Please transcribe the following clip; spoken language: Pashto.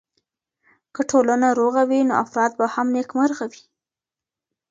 که ټولنه روغه وي نو افراد به هم نېکمرغه وي.